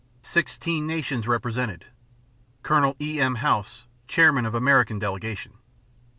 Sixteen nations represented. _Col. E.M. House, chairman of American delegation.